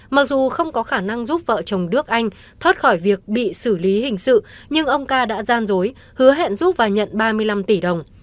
mặc dù không có khả năng giúp vợ chồng đức anh thoát khỏi việc bị xử lý hình sự nhưng ông ca đã gian dối hứa hẹn giúp và nhận ba mươi năm tỷ đồng